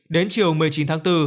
đến chiều một mươi chín tháng bốn